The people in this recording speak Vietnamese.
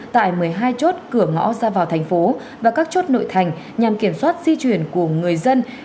tại một mươi hai chốt cửa ngõ ra vào thành phố và các chốt nội thành nhằm kiểm soát di chuyển của người dân